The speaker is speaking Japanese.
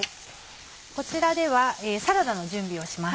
こちらではサラダの準備をします。